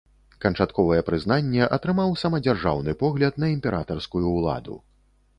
Канчатковае прызнанне атрымаў самадзяржаўны погляд на імператарскую ўладу.